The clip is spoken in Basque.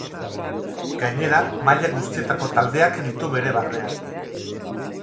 Gainera maila guztietako taldeak ditu bere barnean.